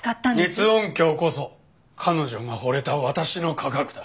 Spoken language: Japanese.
熱音響こそ彼女が惚れた私の科学だ。